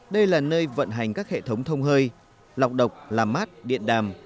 đây là nơi vận hành các hệ thống thông hơi lọc độc làm mát điện đàm